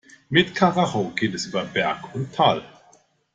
Mit Karacho geht es über Berg und Tal.